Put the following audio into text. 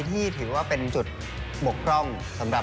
ก็คือคุณอันนบสิงต์โตทองนะครับ